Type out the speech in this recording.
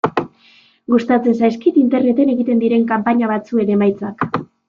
Gustatzen zaizkit Interneten egiten diren kanpaina batzuen emaitzak.